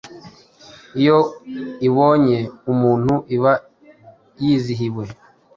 iyo ibonye umuntu iba yizihiwe